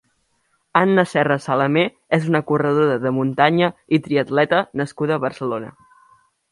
Anna Serra Salamé és una corredora de muntanya i triatleta nascuda a Barcelona.